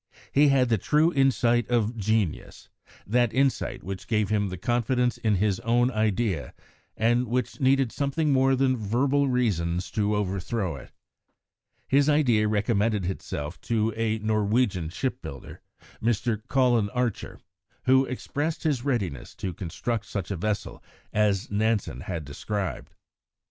He had the true insight of genius, that insight which gave him the confidence in his own idea and which needed something more than verbal reasons to overthrow it. His idea also recommended itself to a Norwegian shipbuilder, Mr. Colin Archer, who expressed his readiness to construct such a vessel as Nansen had described.